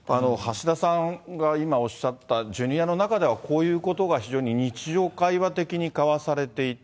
橋田さんが今おっしゃったジュニアの中ではこういうことが非常に日常会話的に交わされていた。